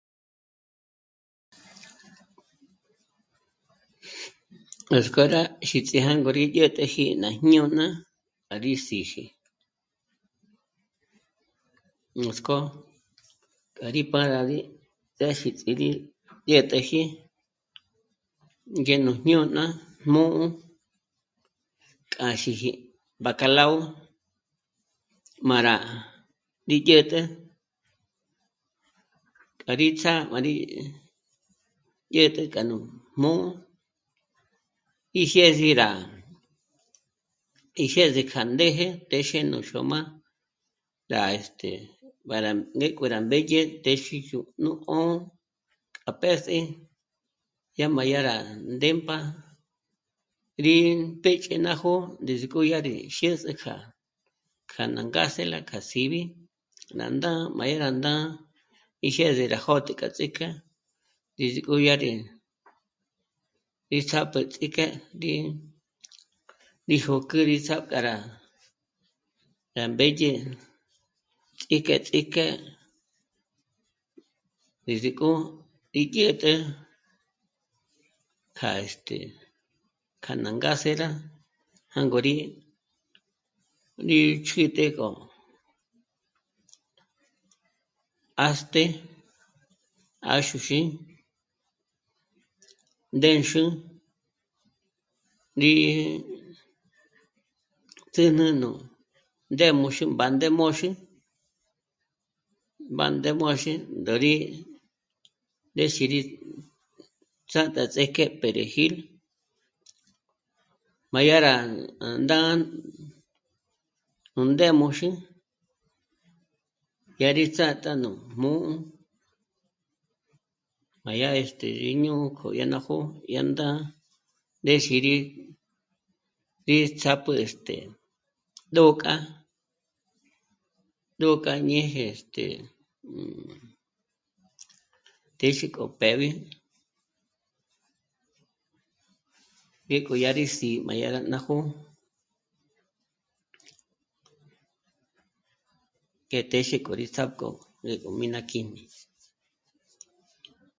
Nuts'k'ó rá xíts'i jângó rí 'ä̀t'äji à jñíñi jñôna k'a rí síji. Nuts'kó k'a rí pâraji ndéxi ts'í rí dyä̀t'äji ngéjnu jñôna jmū́'ū k'a xíji bacalao má rá..., rí dyä̀t'ä k'a rí ts'â'a má rí dyä̀t'ä k'a nú jmū́'ū í jyês'i rá..., í jyês'i k'a ndéje téxe nú xôm'a, rá..., este..., mbá rá ngék'o rá mbédye téxe yó 'ùjnu 'ó'o k'a pés'i, dyá má dyá rá ndémp'a rí péch'e ná jó'o ndízik'o dyá rí jyés'ü k'a, k'a ná ngásela k'a síb'i ná ndá'a má yá rá ndá'a í jyés'ë rá jö̌t'ü k'a ts'íjk'e, ndízik'o dyá rí, rí ts'ápjü ts'íjk'e rí jö̌k'ü rí só'o k'a rá, rá mbédye ts'íjk'e, ts'íjk'e, ndízik'o í dyä̀t'ä kja, este... kja ná ngásela jângo rí, rí chjǚtügö. 'ást'e àxuxí, ndénxü, rí tjǚn'ü nú ndémoxü bándémoxü, bándémoxü, ndó rí ndéxi rí chjânt'a ts'íjk'e perejil, má dyá rá ndá'a, ó ndémoxü, dyá rí tsátá nú jmū́'ū, má yá rá, este... mí jñó'o k'o ná jó'o yá ndá'a ndéxi rí, rí ts'ápjü este..., d'ók'a, d'ók'a ñéje este..., téxi k'o péb'i ngék'o dyá rí síb'e má yá rá ná jó'o, ngé téxe k'o rí ts'ák'o ngék'o mí ná kjíjm'i